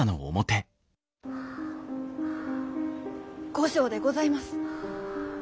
後生でございます。